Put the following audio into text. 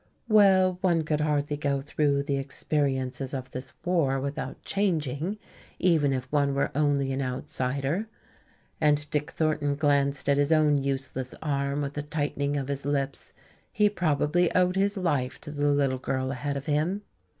Well, one could hardly go through the experiences of this war without changing, even if one were only an outsider. And Dick Thornton glanced at his own useless arm with a tightening of his lips. He probably owed his life to the little girl ahead of him.